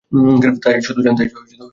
তাই শুধু যান!